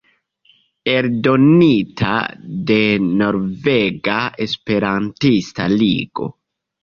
Eldonita de Norvega Esperantista Ligo.